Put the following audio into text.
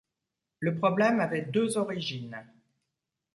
Le problème avait deux origines.